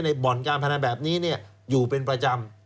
บ่อนการพนันแบบนี้อยู่เป็นประจำ